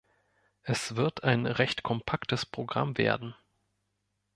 Es wird ein recht kompaktes Programm werden.